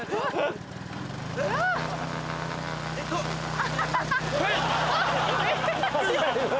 アハハハ！